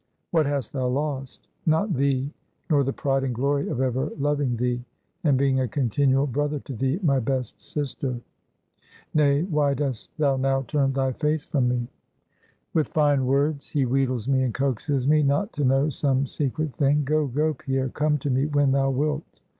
"What hast thou lost?" "Not thee, nor the pride and glory of ever loving thee, and being a continual brother to thee, my best sister. Nay, why dost thou now turn thy face from me?" "With fine words he wheedles me, and coaxes me, not to know some secret thing. Go, go, Pierre, come to me when thou wilt.